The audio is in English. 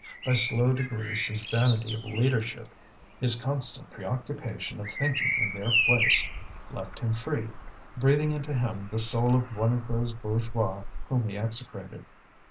By slow degrees his vanity of leadership, his constant preoccupation of thinking in their place, left him free, breathing into him the soul of one of those bourgeois whom he execrated.